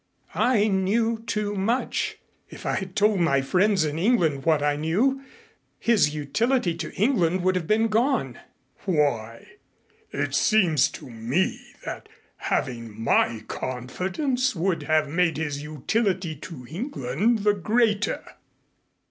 I knew too much. If I had told my friends in England what I knew, his utility to England would have been gone." "Why? It seems to me that having my confidence would have made his utility to England the greater."